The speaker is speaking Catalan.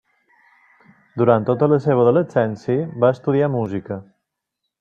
Durant tota la seva adolescència va estudiar música.